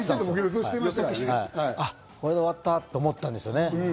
これで終わったと思ったんですよね。